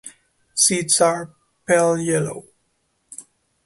Seeds are pale yellow.